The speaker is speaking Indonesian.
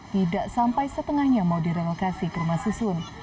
tidak sampai setengahnya mau direlokasi ke rumah susun